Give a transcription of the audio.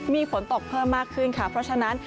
มีฝนตกเพิ่มมากขึ้นค่ะเพราะฉะนั้น